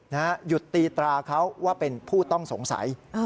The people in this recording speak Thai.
หยุดตีตราเขาว่าเป็นผู้ต้องสงสัย